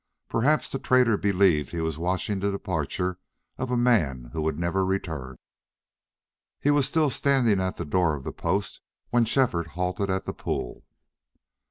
Perhaps the trader believed he was watching the departure of a man who would never return. He was still standing at the door of the post when Shefford halted at the pool.